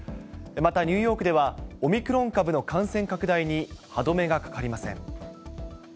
またニューヨークでは、オミクロン株の感染拡大に歯止めがかかりません。